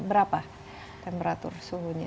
berapa temperatur suhunya